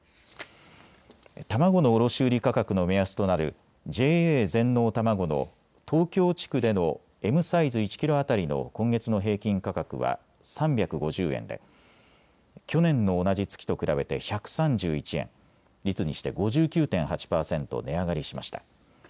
卵の卸売価格の目安となるＪＡ全農たまごの東京地区でのＭサイズ１キロ当たりの今月の平均価格は３５０円で去年の同じ月と比べて１３１円、率にして５９．８％値上がりしました。